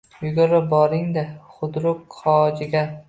Yugurib boring-da xudruk Hojiga